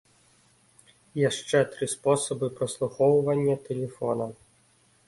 Яшчэ тры спосабы праслухоўвання тэлефона.